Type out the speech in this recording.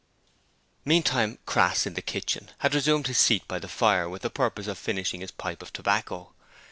Meantime, Crass, in the kitchen, had resumed his seat by the fire with the purpose of finishing his pipe of tobacco.